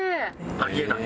ありえない。